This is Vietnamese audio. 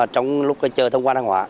trong lúc chờ thông qua thang hóa